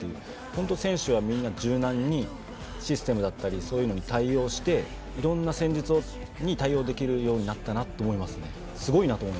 本当、選手がみんな柔軟にシステムだったりそういうのに対応していろんな戦術に対応できるようになったなと思います。